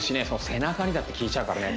背中にだって効いちゃうからね